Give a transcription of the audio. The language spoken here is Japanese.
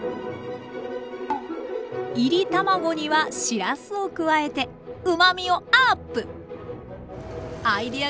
いり卵にはしらすを加えてうまみをアップ！